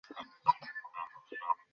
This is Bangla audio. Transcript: তিনি পুনরায় বৃহত্তর সংঘাতে জড়িয়ে পরেন।